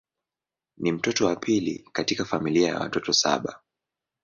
Ni mtoto wa pili katika familia ya watoto saba.